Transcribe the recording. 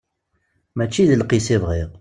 Mačči d lqis i bɣiɣ.